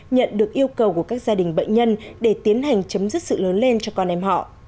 nhận được yêu cầu của các gia đình bệnh nhân để tiến hành chấm dứt sự lớn lên cho con em họ